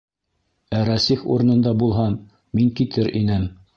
Ә Рәсих урынында булһам, мин китер инем!